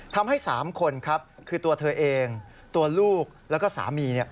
ทำให้๓คนครับคือตัวเธอเองตัวลูกแล้วก็สามี